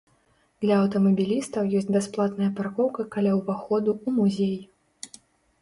Для аўтамабілістаў ёсць бясплатная паркоўка каля ўваходу ў музей.